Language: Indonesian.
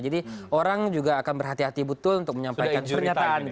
jadi orang juga akan berhati hati betul untuk menyampaikan pernyataan